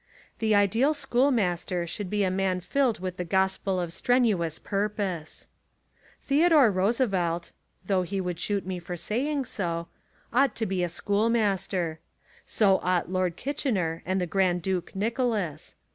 The ideal schoolmaster should be a man filled with the gospel of strenu ous purpose. Theodore Roosevelt (though he would shoot me for saying so) ought to be a schoolmaster. So ought Lord Kitchener and the Grand Duke Nicholas.